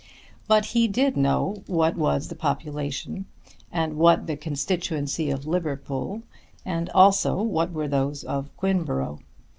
But he did know what was the population and what the constituency of Liverpool, and also what were those of Quinborough.